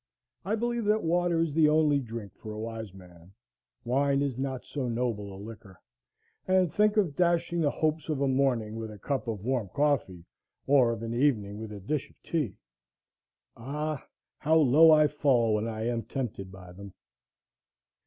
I believe that water is the only drink for a wise man; wine is not so noble a liquor; and think of dashing the hopes of a morning with a cup of warm coffee, or of an evening with a dish of tea! Ah, how low I fall when I am tempted by them!